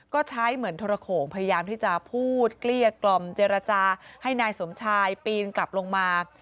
ก็ใช้เหมือนทรโขงพยายามที่จะพูดเกลี้ยกล่อมเจรจาให้นายสมชายปีนกลับลงมา